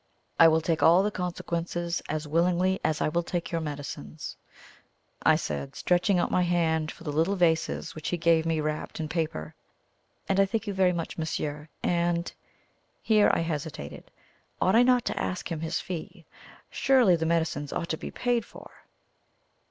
"I will take all the consequences as willingly as I will take your medicines," I said, stretching out my hand for the little vases which he gave me wrapped in paper. "And I thank you very much, monsieur. And" here I hesitated. Ought I not to ask him his fee? Surely the medicines ought to be paid for?